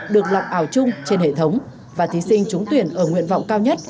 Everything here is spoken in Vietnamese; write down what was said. được lọc ảo chung trên hệ thống và thí sinh trúng tuyển ở nguyện vọng cao nhất